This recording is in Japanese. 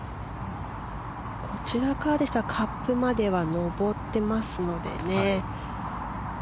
こちらからでしたらカップまでは上っていますので。